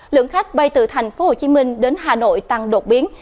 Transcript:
lượng khách bay từ thành phố hồ chí minh đến hà nội tăng đột biến